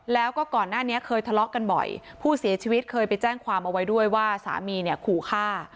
แล้วก็ก่อนหน้านี้เคยทะเลาะกันบ่อยผู้เสียชีวิตเคยไปแจ้งความเอาไว้ด้วยว่าสามีเนี่ยขู่ฆ่า